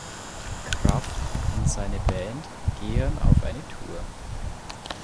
Kraft und seine Band gehen auf eine Tour.